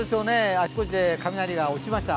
あちこちで雷が落ちました。